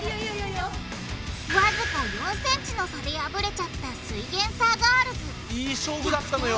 わずか４ｃｍの差で敗れちゃったすイエんサーガールズいい勝負だったのよ。